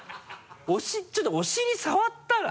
ちょっとお尻触ったら？